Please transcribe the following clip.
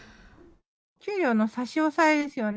給料の差し押さえですよね。